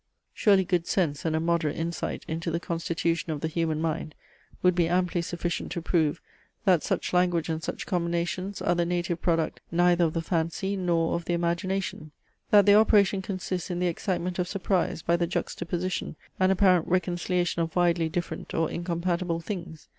Surely good sense, and a moderate insight into the constitution of the human mind, would be amply sufficient to prove, that such language and such combinations are the native product neither of the fancy nor of the imagination; that their operation consists in the excitement of surprise by the juxta position and apparent reconciliation of widely different or incompatible things.